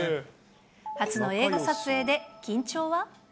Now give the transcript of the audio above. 初の映画撮影で緊張は？